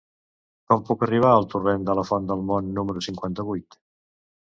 Com puc arribar al torrent de la Font del Mont número cinquanta-vuit?